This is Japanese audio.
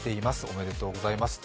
おめでとうございます。